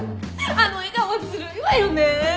あの笑顔はずるいわよね。